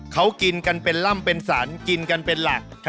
เขากินกันเป็นล่ำเป็นสรรกินกันเป็นหลัก